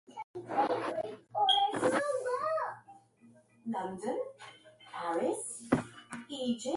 One wonders why he did not use the cure for himself.